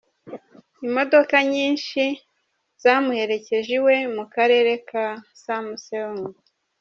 Imodoka nyunshi zamuherekeje iwe mu karere ka Samseong.